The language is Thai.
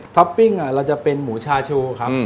ปปิ้งเราจะเป็นหมูชาชูครับ